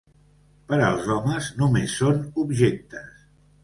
Per als homes, només són objectes.